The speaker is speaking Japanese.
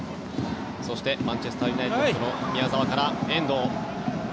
そして、マンチェスター・ユナイテッドの宮澤から遠藤。